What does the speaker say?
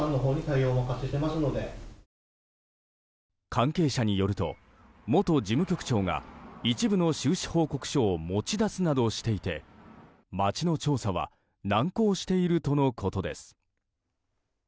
関係者によると元事務局長が一部の収支報告書を持ち出すなどしていて町の調査は難航しているとのことです。